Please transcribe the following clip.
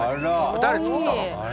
誰作ったの？